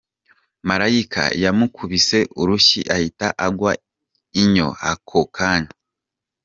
Malayika yamukubise urushyi ahita agwa inyo ako kanya.